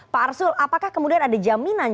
pak arsul apakah kemudian ada jaminan